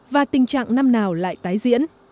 và tình trạng năm nào lại tái diễn